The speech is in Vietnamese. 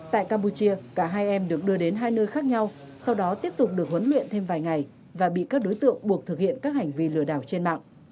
tại campuchia cả hai em được đưa đến hai nơi khác nhau sau đó tiếp tục được huấn luyện thêm vài ngày và bị các đối tượng buộc thực hiện các hành vi lừa đảo trên mạng